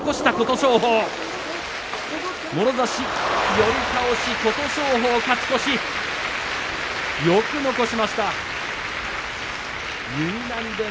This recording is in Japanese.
寄り倒し、琴勝峰勝ち越し。